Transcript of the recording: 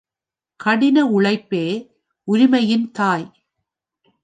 கடின உழைப்பே, உரிமையின் தாய்.